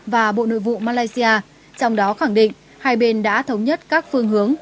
và bộ nội vụ malaysia trong đó khẳng định hai bên đã thống nhất các phương hướng